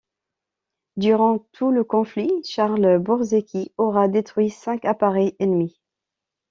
Durant tout le conflit, Charles Borzecki aura détruit cinq appareils ennemis.